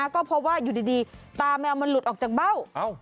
ก็เพราะว่าอยู่ดีตาแมวมันหลุดออกจากเบ้า